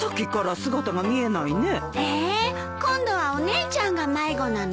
ええ今度はお姉ちゃんが迷子なの？